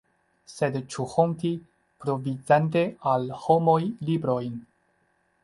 Sed ĉu honti, provizante al homoj librojn?